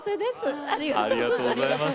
ありがとうございます。